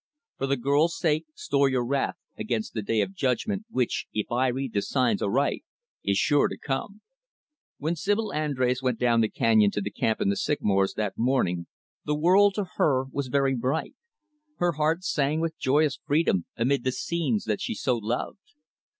For the girl's sake, store your wrath against the day of judgment which, if I read the signs aright, is sure to come." When Sibyl Andrés went down the canyon to the camp in the sycamores, that morning, the world, to her, was very bright. Her heart sang with joyous freedom amid the scenes that she so loved.